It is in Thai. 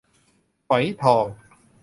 ฝอยทอง